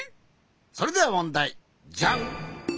それではもんだい。じゃん！